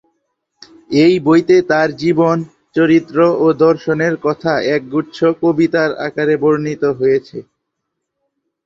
এই বইতে তার জীবন, চরিত্র ও দর্শনের কথা একগুচ্ছ কবিতার আকারে বর্ণিত হয়েছে।